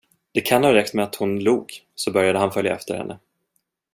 Det kan ha räckt med att hon log, så började han följa efter henne.